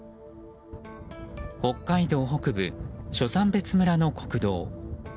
北海道北部、初山別村の国道。